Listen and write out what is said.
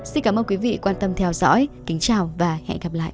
xin cảm ơn quý vị quan tâm theo dõi kính chào và hẹn gặp lại